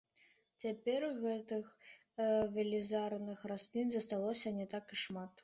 Цяпер гэтых велізарных раслін засталося не так і шмат.